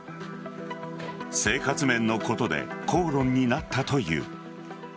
生活面のことで口論になったという。